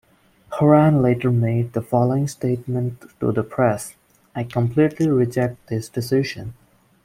Horan later made the following statement to the press: I completely reject this decision.